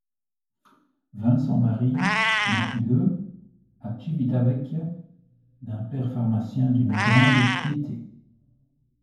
Vincent-Marie naquit le à Civitavecchia, d'un père pharmacien d'une grande piété.